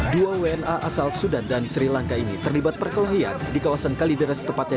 dua wna asal sudan dan sri lanka ini terlibat perkelahian di kawasan kalidera setepatnya